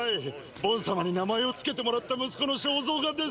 ボン様に名前を付けてもらった息子の肖像画です！